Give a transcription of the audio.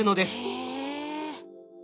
へえ。